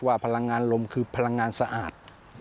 พลังงานลมคือพลังงานสะอาด